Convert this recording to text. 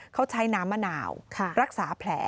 เขาใช้น้ำมะนาวรักษาแผล